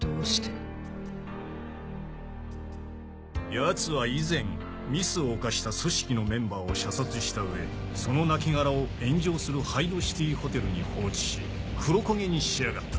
ヤツは以前ミスを犯した組織のメンバーを射殺した上その亡きがらを炎上する杯戸シティホテルに放置し黒コゲにしやがった。